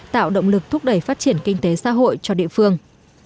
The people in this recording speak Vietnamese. tạo động lực thúc đẩy phát triển kinh tế xã hội cho địa phương